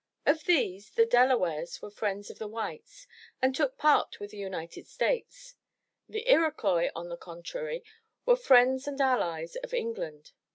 Of these, the Delawares were friends of the whites and took part with the United States; the Iroquois, on the contrary, were friends and allies of England.